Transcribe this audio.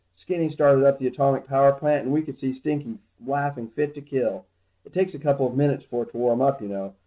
Skinny started up the atomic power plant, and we could see Stinky laughing fit to kill. It takes a couple of minutes for it to warm up, you know.